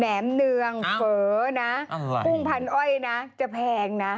แหมเนืองเฝอนะกุ้งพันอ้อยนะจะแพงนะ